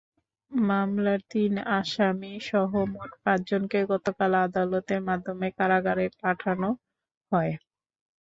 মামলার তিন আসামিসহ মোট পাঁচজনকে গতকাল আদালতের মাধ্যমে কারাগারে পাঠানো হয়।